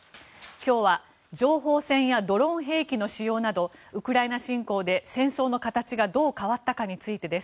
今日は情報戦やドローン兵器の使用などウクライナ侵攻で戦争の形がどう変わったかについてです。